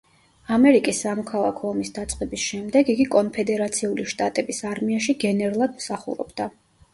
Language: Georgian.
ამერიკის სამოქალაქო ომის დაწყების შემდეგ იგი კონფედერაციული შტატების არმიაში გენერლად მსახურობდა.